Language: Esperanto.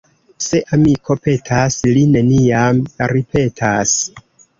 Se amiko petas, li neniam ripetas.